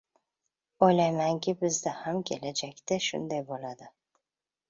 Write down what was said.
Uylaymanki, bizda ham kelajakda shunday bo‘ladi.